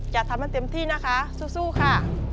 อย่าทำให้เต็มที่นะคะสู้ค่ะ